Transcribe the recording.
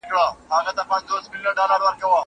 زه مخکي لاس مينځلي و!!